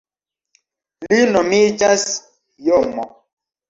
Li nomiĝas JoMo.